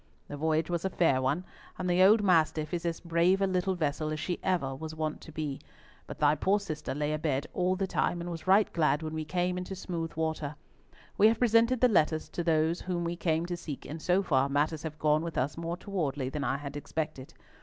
The voyage was a fair one, and the old Mastiff is as brave a little vessel as ever she was wont to be; but thy poor sister lay abed all the time, and was right glad when we came into smooth water. We have presented the letters to those whom we came to seek, and so far matters have gone with us more towardly than I had expected.